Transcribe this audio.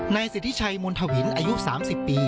ในสิทธิไฉมน์มูนทวินอายุ๓๐ปี